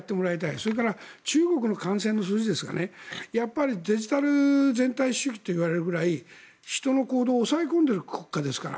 それから中国の感染の数字ですがやっぱり、デジタル全体主義といわれるぐらい人の行動を抑え込んでいる国家ですから。